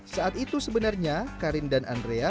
saat itu sebenarnya karin dan andrea